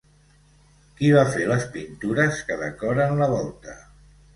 Qui va fer les pintures que decoren la volta?